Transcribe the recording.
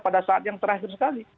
pada saat yang terakhir sekali